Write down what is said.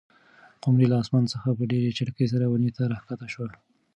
قمرۍ له اسمانه څخه په ډېرې چټکۍ سره ونې ته راښکته شوه.